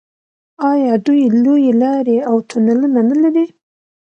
آیا دوی لویې لارې او تونلونه نلري؟